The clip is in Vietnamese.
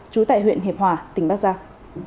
chú tại huyện hiệp hòa tỉnh bắc giang